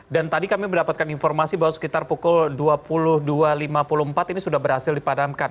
dan tadi kami mendapatkan informasi bahwa sekitar pukul dua puluh dua lima puluh empat ini sudah berhasil dipadamkan